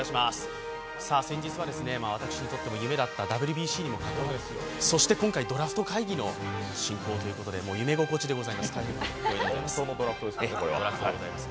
先日は私にとっても夢だったＷＢＣの進行を、そして今回ドラフト会議の進行ということで、夢心地でございます、大変光栄でございます。